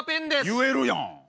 言えるやん。